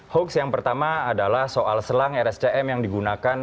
hoax yang pertama adalah soal selang rscm yang digunakan